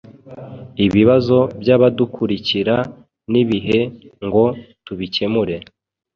ibibazo by'abadukurikira nibihe ngo tubikemure